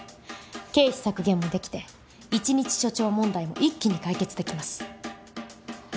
経費削減もできて１日署長問題も一気に解決できます。